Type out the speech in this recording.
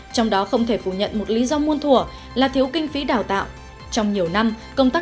trong đó không thể phủ nhận một lý do muôn thủa là thiếu kinh phí đào tạo